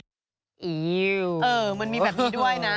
มันมีแบบนี้ด้วยนะ